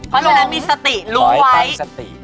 เพราะเลยจะจะมีสติลงไว้